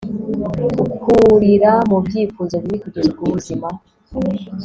akurira mu byifuzo bibi kugeza ubwo ubuzima